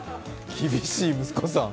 厳しい息子さん。